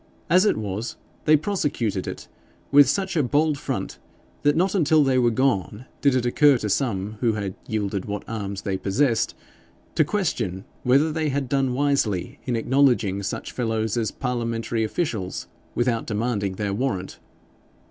As it was, they prosecuted it with such a bold front, that not until they were gone did it occur to some, who had yielded what arms they possessed, to question whether they had done wisely in acknowledging such fellows as parliamentary officials without demanding their warrant.